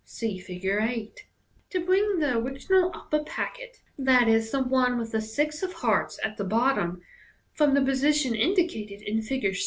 (See Fig. 8.) To bring the original upper packet (i.e., the one with the six of hearts at the bottom) from the position indicated in Fig.